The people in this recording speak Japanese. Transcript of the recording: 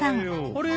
あれ？